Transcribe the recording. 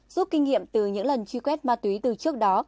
rút kinh nghiệm từ những lần truy quét ma túy từ trước đó